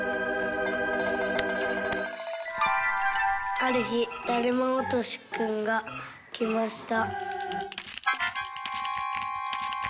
「あるひだるまおとしくんがきました」。